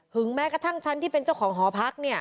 หึงแม้กระทั่งฉันที่เป็นเจ้าของห้องพัก